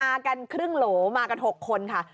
มากันครึ่งโหลมากัน๖คนค่ะ